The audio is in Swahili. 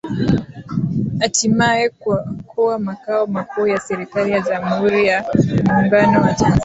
Hatimaye kuwa makao makuu ya Serikali ya Jamhuri ya Muungano wa Tanzania